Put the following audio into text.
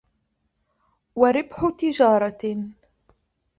وَرِبْحُ تِجَارَةٍ